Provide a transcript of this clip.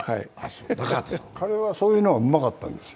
彼はそういうのがうまかったんです。